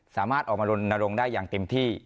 สามารถออกมารณรงค์ได้อย่างเต็มที่